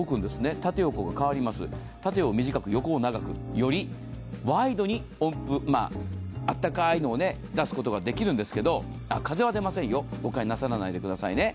縦横が変わります、縦を短く横を長く、よりワイドに温風あったかいのを出すことができるんですけど風は出ませんよ、誤解なさらないでくださいね。